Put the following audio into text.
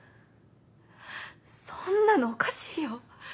そんなのおかしいよ。